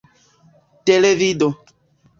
televido